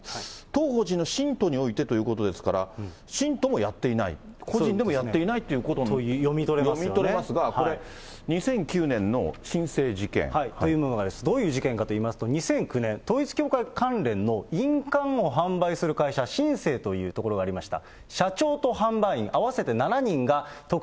当法人の信徒においてということですから、信徒もやっていない、個人でもやっていないと。と読み取れますね。と読み取れますが、２００９年の新世事件。というものがどういう事件かといいますと、２００９年、統一教会関連の印鑑を販売する会社、新世というところがありました。